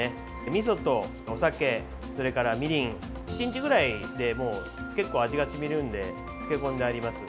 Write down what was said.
みそとお酒、それからみりん１日ぐらいで結構味が染みるので漬け込んであります。